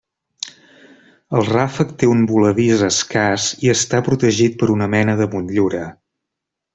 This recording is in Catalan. El ràfec té un voladís escàs i està protegit per una mena de motllura.